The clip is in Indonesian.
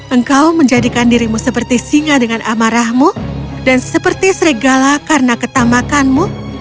engkau menjadikan dirimu seperti singa dengan amarahmu dan seperti serigala karena ketamakanmu